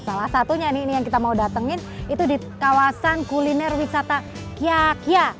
salah satunya nih yang kita mau datengin itu di kawasan kuliner wisata kiyakya